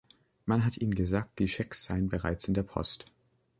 Man hat ihnen gesagt, die Schecks seien bereits in der Post.